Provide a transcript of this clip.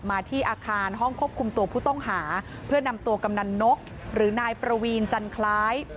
มาที่อาคารห้องควบคุมตัวผู้ต้องหาเพื่อนำตัวกำนันนกหรือนายประวีนจันคล้าย